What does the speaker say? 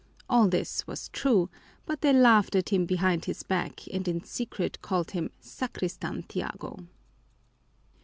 All this was true, but they laughed at him behind his back and in secret called him "Sacristan Tiago."